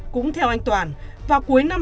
cũng theo anh toản vào cuối năm hai nghìn hai mươi hai